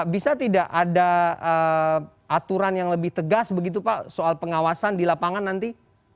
bisa tidak ada aturan yang lebih tegas begitu pak soal pengawasan di lapangan nanti